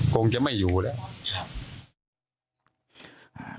คงจะไม่อยู่แล้ว